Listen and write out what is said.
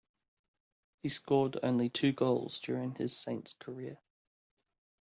He scored only two goals during his Saints career.